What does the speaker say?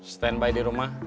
stand by di rumah